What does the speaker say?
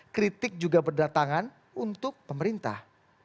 kritik juga berdatangan untuk pemerintah